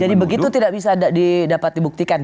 jadi begitu tidak bisa didapat dibuktikan